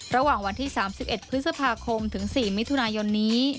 ระหว่างวันที่๓๑พฤษภาคมถึง๔มิถุนายนนี้